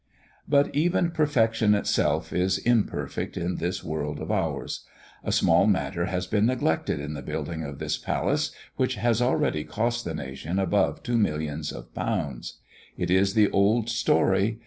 But even perfection itself is imperfect in this world of ours. A small matter has been neglected in the building of this palace, which has already cost the nation above two millions of pounds. It is the old story.